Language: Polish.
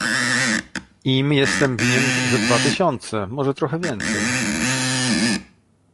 "Im jestem winien ze dwa tysiące, może trochę więcej..."